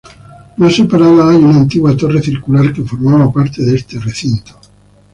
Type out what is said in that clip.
Más separada hay una antigua torre circular que formaba parte de este recinto.